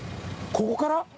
ここから！？